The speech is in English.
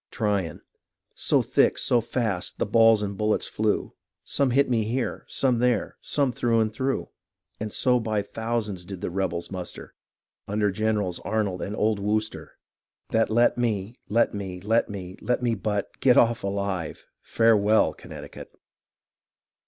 Tryon So thick, so fast, the balls and bullets flew, Some hit me here, some there, some thro' and thro'; And so by thousands did the rebels muster Under Generals Arnold and old Wooster That let me, let me, let me, let me but Get off alive — Farewell^ Connecticut.